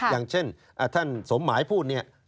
อย่างเช่นท่านสมหมายพูด